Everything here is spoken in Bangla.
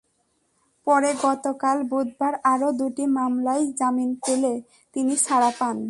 পরে গতকাল বুধবার আরও দুটি মামলায় জামিন পেলে তিনি ছাড়া পান।